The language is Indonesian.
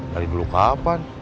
dari dulu kapan